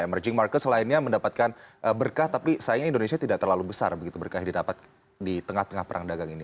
emerging market selainnya mendapatkan berkah tapi sayangnya indonesia tidak terlalu besar begitu berkah yang didapat di tengah tengah perang dagang ini